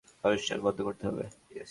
অনুষ্ঠান বন্ধ করতে হবে।